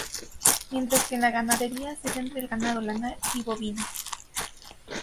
Mientras que la ganadería se centra en el ganado lanar y bovino.